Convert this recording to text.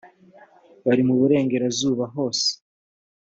bari mu burengerazuba hose.